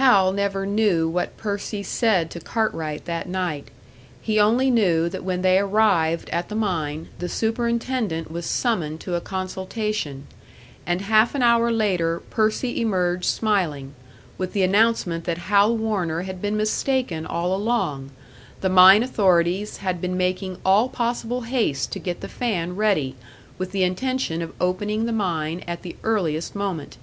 Hal never knew what Percy said to Cartwright that night; he only knew that when they arrived at the mine the superintendent was summoned to a consultation, and half an hour later Percy emerged smiling, with the announcement that Hal Warner had been mistaken all along; the mine authorities had been making all possible haste to get the fan ready, with the intention of opening the mine at the earliest moment.